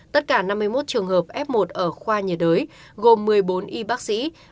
tất cả năm mươi một trường hợp f một ở khoa nhiệt đới gồm một mươi bốn y bác sĩ